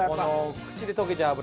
口で溶けちゃう脂。